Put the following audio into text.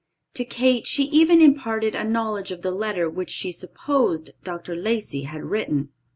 To Kate she had imparted a knowledge of the letter which she supposed Dr. Lacey had written.